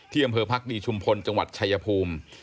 อำเภอพักดีชุมพลจังหวัดชายภูมิ